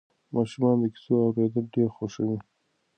ماشومان د کیسو اورېدل ډېر خوښوي.